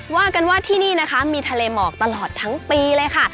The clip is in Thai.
ว่ากันว่าที่นี่นะคะมีทะเลหมอกตลอดทั้งปีเลยค่ะ